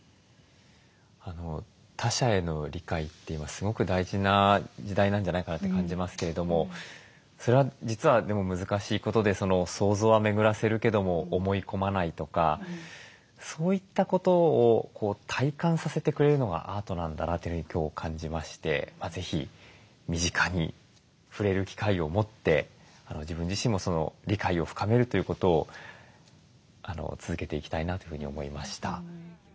他者への理解って今すごく大事な時代なんじゃないかなって感じますけれどもそれは実はでも難しいことで想像は巡らせるけども思い込まないとかそういったことを体感させてくれるのがアートなんだなというふうに今日感じまして是非身近に触れる機会を持って自分自身もその理解を深めるということを続けていきたいなというふうに思いました。